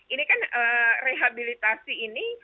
ini kan rehabilitasi ini